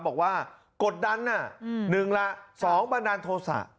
บอกว่ากดดัน๑ละ๒บรรดาโทสะ